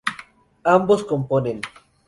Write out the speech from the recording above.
Ambos componen.